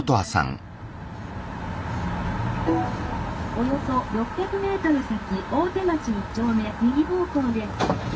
「およそ６００ｍ先大手町１丁目右方向です」。